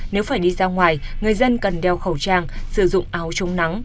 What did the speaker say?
nếu phải đi ra ngoài người dân cần đeo khẩu trang sử dụng áo chống nắng